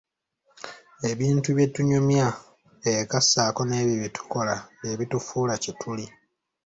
Ebintu bye tunyumya eka ssaako n'ebyo bye tukola bye bitufuula kye tuli.